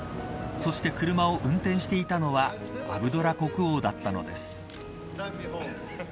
そして車を運転していたのはアブドラ国王だったのです。